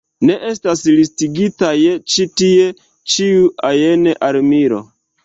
Ne estas listigitaj ĉi tie ĉiu ajn armilo.